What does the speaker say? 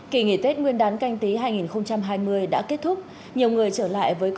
kỳ nghỉ tết nguyên đán canh tí hai nghìn hai mươi đã kết thúc